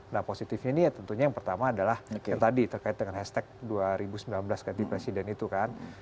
nah positifnya ini ya tentunya yang pertama adalah yang tadi terkait dengan hashtag dua ribu sembilan belas ganti presiden itu kan